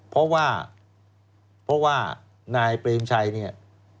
เพราะว่านายเปรมชัยเนี่ย